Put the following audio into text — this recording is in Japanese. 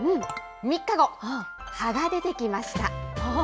３日後、葉が出てきました。